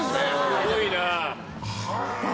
すごいな。